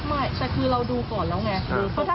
ไม่แต่คือเราดูก่อนนะคะ